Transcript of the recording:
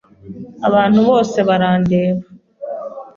Abantu bose barandeba.